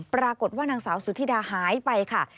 ปรากฏว่านางสาวสุธิดาหายไปค่ะ